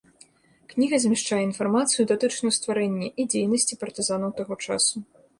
Кніга змяшчае інфармацыю датычную стварэння і дзейнасці партызанаў таго часу.